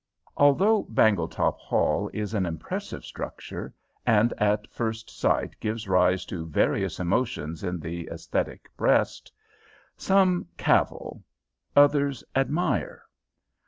Altogether Bangletop Hall is an impressive structure, and at first sight gives rise to various emotions in the aesthetic breast; some cavil, others admire.